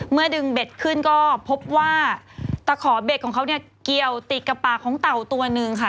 ดึงเบ็ดขึ้นก็พบว่าตะขอเบ็ดของเขาเนี่ยเกี่ยวติดกับปากของเต่าตัวหนึ่งค่ะ